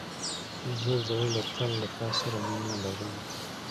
زه د زړه له تله له تا سره مينه لرم.